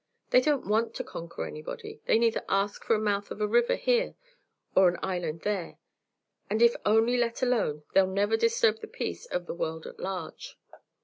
They don't want to conquer anybody; they neither ask for the mouth of a river here, or an island there; and if only let alone, they 'll never disturb the peace of the world at large."